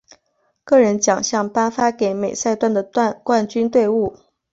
个人奖项颁发给每赛段的冠军队伍。